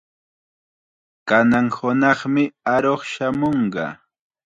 Kanan hunaqmi aruq shamunqa.